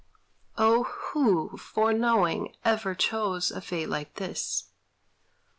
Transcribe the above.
Oh, who Foreknowing, ever chose a fate like this?